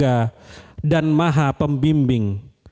yang maha penjaga dan maha pembimbing